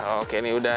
oke ini udah